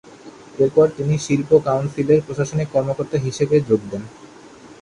এরপর তিনি শিল্প কাউন্সিলের প্রশাসনিক কর্মকর্তা হিসেবে যোগ দেন।